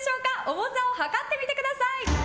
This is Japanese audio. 重さを量ってみてください。